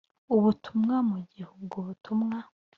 ubutumwa mu gihe ubwo butumwa